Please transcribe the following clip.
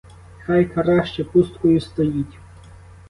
Хай краще пусткою стоїть!